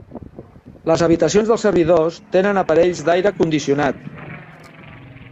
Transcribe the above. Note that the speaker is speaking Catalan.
Les habitacions dels servidors tenen aparells d'aire condicionat.